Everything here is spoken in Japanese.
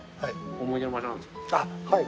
はい。